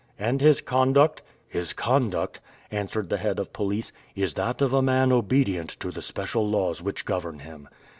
"And his conduct?" "His conduct," answered the head of police, "is that of a man obedient to the special laws which govern him."